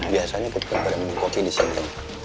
biasanya kok gak ada minum kopi di sini